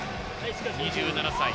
２７歳。